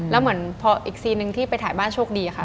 แล้วเหมือนพออีกซีนึงที่ไปถ่ายบ้านโชคดีค่ะ